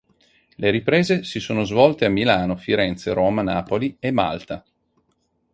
Le riprese si sono svolte a Milano, Firenze, Roma, Napoli e Malta.